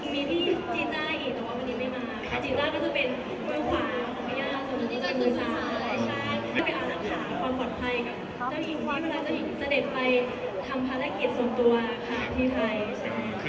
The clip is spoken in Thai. เสียงปลดมือจังกัน